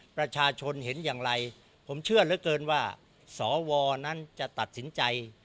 ประชาชนเห็นอย่างไรผมเชื่อเหลือเกินว่าสวนั้นจะตัดสินใจ